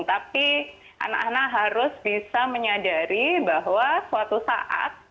tapi anak anak harus bisa menyadari bahwa suatu saat